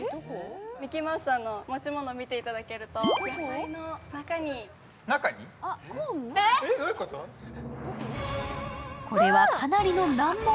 ミッキーマウスさんの持ち物を見ていただくとこれはかなりの難問。